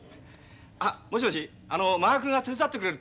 あっもしもしあの満賀くんが手伝ってくれるって。